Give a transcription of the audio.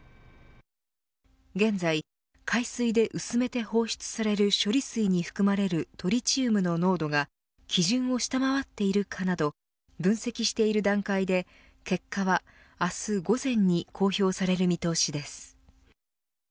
現在、海水で薄めて放出される処理水に含まれるトリチウムの濃度が基準を下回っているかなど分析している段階で結果は、明日午前に公表される見通しです。